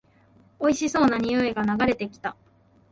おいしそうな匂いが流れてきた